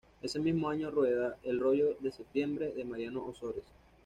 Ese mismo año rueda "El rollo de septiembre", de Mariano Ozores.